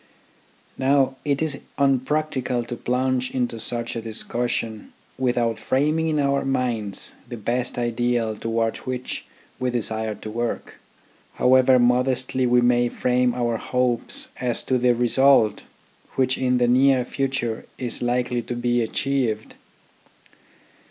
Now it is unpractical to plunge into such a discussion without framing in our own minds the best ideal towards which we desire to work, however modestly we may frame our hopes as to the result which in the near future is likely to be achieved.